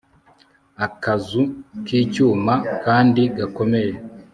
akazu k'icyuma kandi gakomeye